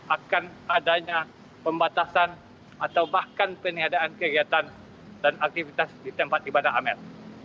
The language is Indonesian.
akan adanya pembatasan atau bahkan peniadaan kegiatan dan aktivitas di tempat ibadah amel